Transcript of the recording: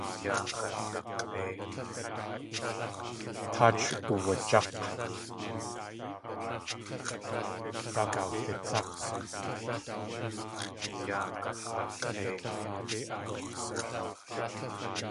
Táach uwaják̲.